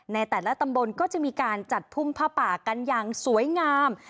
ในแต่ละตำบลก็จะมีการจัดพุ่มผ้าป่ากันอย่างสวยงาม